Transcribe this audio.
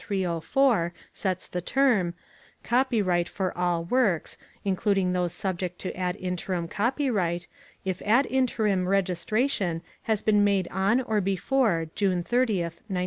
304 sets the term) copyright for all works, including those subject to ad interim copyright if ad interim registration has been made on or before June 30, 1978.